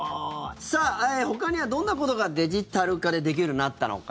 さあほかにはどんなことがデジタル化でできるようになったのか。